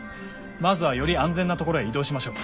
まずはより安全な所へ移動しましょう。